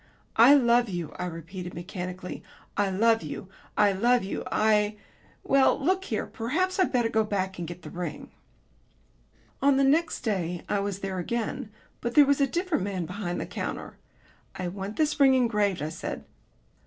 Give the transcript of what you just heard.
"I love you," I repeated mechanically. "I love you. I love you, I Well, look here, perhaps I'd better go back and get the ring." On the next day I was there again; but there was a different man behind the counter. "I want this ring engraved," I said.